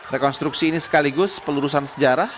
rekonstruksi ini sekaligus pelurusan sejarah